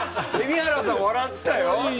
蛯原さんは笑ってたよ？